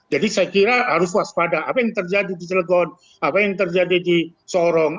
jadi saya kira harus waspada apa yang terjadi di celgon apa yang terjadi di sorong